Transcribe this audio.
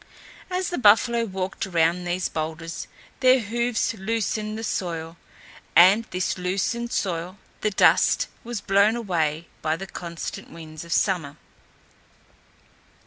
As the buffalo walked around these boulders their hoofs loosened the soil, and this loosened soil the dust was blown away by the constant winds of summer.